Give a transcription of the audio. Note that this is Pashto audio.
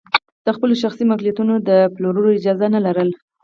د خپلو شخصي ملکیتونو د پلور اجازه نه لرله.